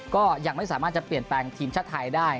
ก็ยังไม่สามารถจะเปลี่ยนแปลงทีมชาติไทยได้